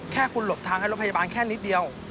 แค่คุณหลบทางให้รถพยาบาลแค่นิดเดียว